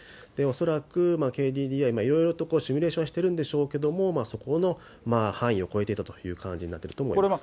恐らく、ＫＤＤＩ、いろいろとシミュレーションしてるんでしょうけれども、そこの範囲を超えていたという感じになっていると思います。